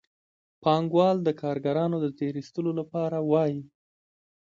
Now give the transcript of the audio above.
پانګوال د کارګرانو د تېر ایستلو لپاره وايي